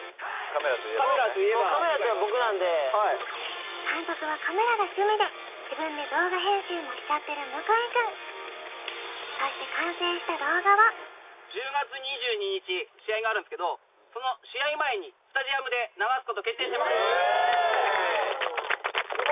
・カメラといえば監督はカメラが趣味で自分で動画編集もしちゃってる向井くんそして１０月２２日試合があるんですけどその試合前にスタジアムで流すこと決定してます・